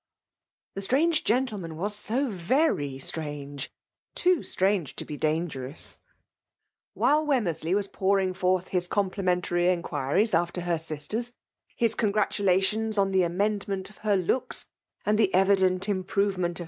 The sttapge gentleman was «d very 6traiigie, ^too stratige to be dangerottt. WMle .Weimnchiley was pouring forth his eompli nusttiary inquiries after her siaten, his ixny gtatuiaiaonB on the amendment of her loolcs and'' the evident improvement of.